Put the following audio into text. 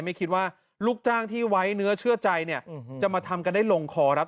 ไม่คิดว่าลูกจ้างที่ไว้เนื้อเชื่อใจเนี่ยจะมาทำกันได้ลงคอครับ